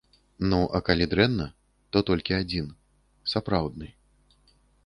Ну, а калі дрэнна, то толькі адзін, сапраўдны.